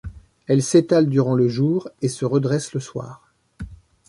Elles s'étalent durant le jour et se redressent le soir.